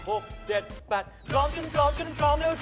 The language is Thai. พร้อมฉันพร้อมฉันพร้อมแล้วเธอนักพร้อมหรือยัง